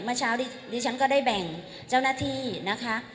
เมื่อเช้านี้ดิฉันก็ได้แบ่งเจ้าหน้าที่นะคะ